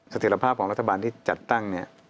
สถิตรภาพของรัฐบาลที่จัดตั้ง